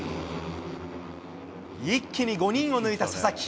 一気に５人を抜いた佐々木。